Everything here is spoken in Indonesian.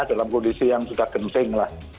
dalam kondisi yang sudah genting lah